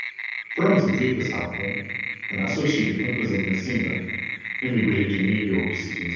Following the Dreyfus affair and associated unpleasantness Singer emigrated to New York City.